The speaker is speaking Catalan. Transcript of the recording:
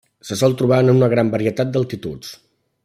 Se sol trobar en una gran varietat d'altituds.